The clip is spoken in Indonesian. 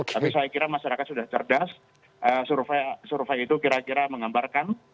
tapi saya kira masyarakat sudah cerdas survei itu kira kira menggambarkan